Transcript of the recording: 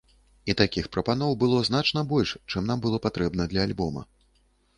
І такіх прапаноў было значна больш, чым нам было патрэбна для альбома.